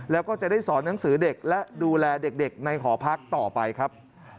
แล้วก็จะได้สอนหนังสือเด็กและดูแลเด็กในหอพักต่อไปครับ